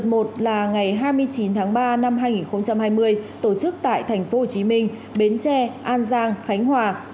một là ngày hai mươi chín tháng ba năm hai nghìn hai mươi tổ chức tại tp hcm bến tre an giang khánh hòa